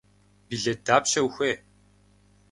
Билет дапщэ ухуей?